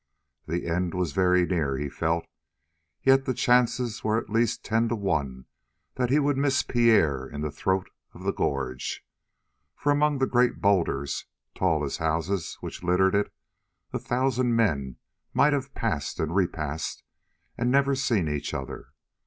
The end was very near, he felt, yet the chances were at least ten to one that he would miss Pierre in the throat of the gorge, for among the great boulders, tall as houses, which littered it, a thousand men might have passed and repassed and never seen each other.